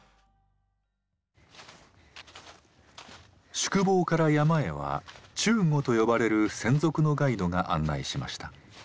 宿坊から山へは「中語」と呼ばれる専属のガイドが案内しました。